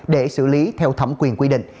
để xử lý theo thẩm quyền quy định